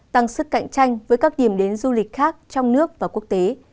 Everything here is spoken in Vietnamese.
tăng sức cạnh tranh với các điểm đến du lịch khác trong nước và quốc tế